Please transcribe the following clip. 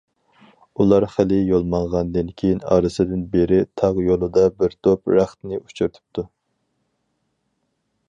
ئۇلار خېلى يول ماڭغاندىن كېيىن، ئارىسىدىن بىرى تاغ يولىدا بىر توپ رەختنى ئۇچرىتىپتۇ.